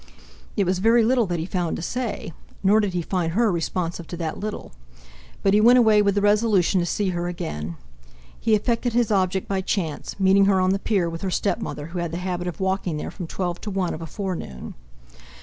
It was very little that he found to say, nor did he find her responsive to that little. But he went away with the resolution to see her again. He effected his object by chance, meeting her on the pier with her stepmother, who had the habit of walking there from twelve to one of a forenoon.